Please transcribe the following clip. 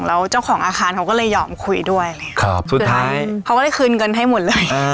แล้วเจ้าของอาคารเขาก็เลยยอมคุยด้วยสุดท้ายเขาก็ได้คืนเงินให้หมดเลย